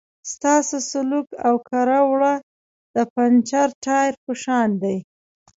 ستاسو سلوک او کړه وړه د پنچر ټایر په شان دي.